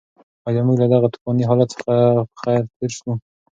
ایا موږ له دغه توپاني حالت څخه په خیر تېر شوو؟